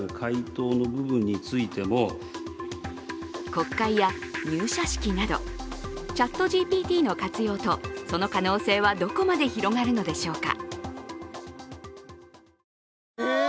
国会や入社式などＣｈａｔＧＰＴの活用とその可能性はどこまで広がるのでしょうか。